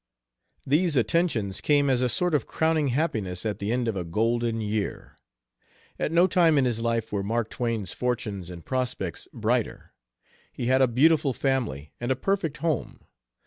These attentions came as a sort of crowning happiness at the end of a golden year. At no time in his life were Mark Twain's fortunes and prospects brighter; he had a beautiful family and a perfect home.